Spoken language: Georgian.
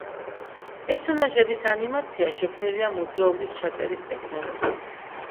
პერსონაჟების ანიმაცია შექმნილია მოძრაობის ჩაწერის ტექნოლოგიით.